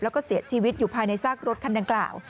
แล้วก็เสียชีวิตอยู่ภายในซากรถคันดังกล่าว